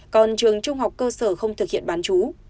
còn trường trung học cơ sở không thực hiện bán chú